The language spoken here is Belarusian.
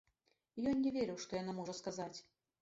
Ён не верыў, што яна можа сказаць.